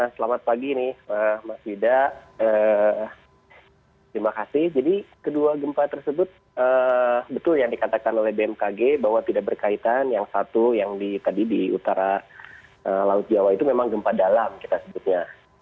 selamat pagi nih mas yuda terima kasih jadi kedua gempa tersebut betul yang dikatakan oleh bmkg bahwa tidak berkaitan yang satu yang tadi di utara laut jawa itu memang gempa dalam kita sebutnya